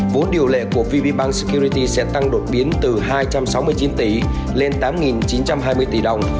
vốn điều lệ của vb ban scryty sẽ tăng đột biến từ hai trăm sáu mươi chín tỷ lên tám chín trăm hai mươi tỷ đồng